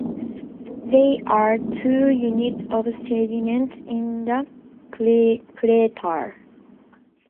There are two unit of sediments in the crater.